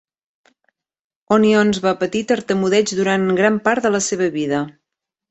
Onions va patir tartamudeig durant gran part de la seva vida.